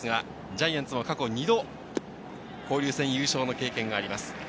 ジャイアンツも過去二度、交流戦優勝の経験があります。